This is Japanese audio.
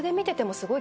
すごい。